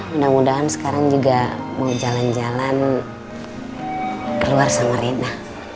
mudah mudahan sekarang juga mau jalan jalan keluar sama rena